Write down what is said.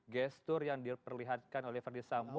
gestur yang diperlihatkan oleh verisambo